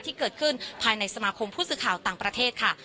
ที่เกิดขึ้นภายในสมาคมผู้สื่อข่าวต่างประเทศค่ะ